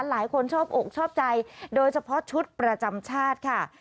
หลายคนชอบอกชอบใจโดยเฉพาะชุดประจำชาติค่ะ